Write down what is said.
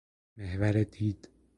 محور دید